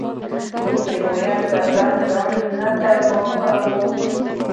موږ د هویت پر بحثونو ځان نه تباه کړو.